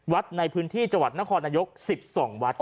วัฒน์ในพื้นที่จนครนายก๑๒วัฒน์